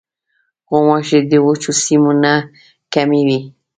غوماشې د وچو سیمو نه کمې وي.